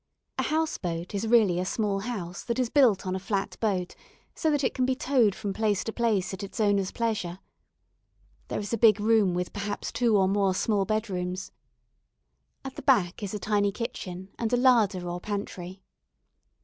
A house boat is really a small house that is built on a flat boat, so that it can be towed from place to place at its owner's pleasure. There is a big room with perhaps two or more small bedrooms. At the back is a tiny kitchen and a larder or pantry.